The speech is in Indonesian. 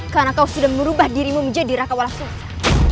karena kau sudah merubah dirimu menjadi raka walafusa